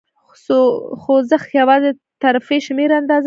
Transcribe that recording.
خوځښت یواځې د ترفیع شمېر آندازه کوي.